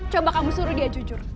coba kamu suruh dia jujur